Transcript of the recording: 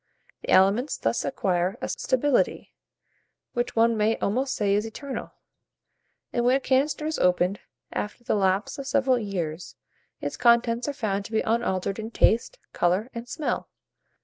The aliments thus acquire a stability, which one may almost say is eternal; and when a canister is opened, after the lapse of several years, its contents are found to be unaltered in taste, colour, and smell.